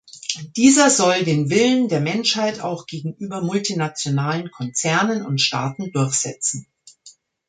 Dieser soll den Willen der Menschheit auch gegenüber multinationalen Konzernen und Staaten durchsetzen.